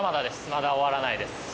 まだ終わらないです。